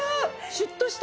シュッとした！